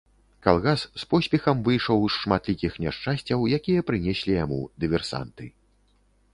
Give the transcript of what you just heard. Калгас з поспехам выйшаў з шматлікіх няшчасцяў, якія прынеслі яму дыверсанты.